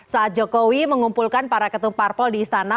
saat jokowi mengumpulkan para ketum parpol di istana